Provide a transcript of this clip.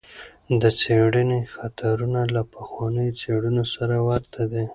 د څېړنې خطرونه له پخوانیو څېړنو سره ورته دي.